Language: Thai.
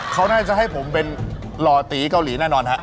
เขาน่าจะให้ผมเป็นหล่อตีเกาหลีแน่นอนฮะ